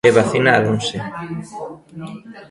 E vacináronse.